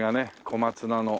小松菜の。